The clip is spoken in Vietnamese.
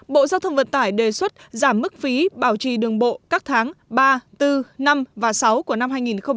bộ giao thông vận tải đề xuất giảm mức phí bảo trì đường bộ các tháng ba bốn năm và sáu của năm hai nghìn hai mươi